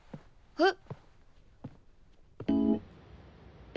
えっ。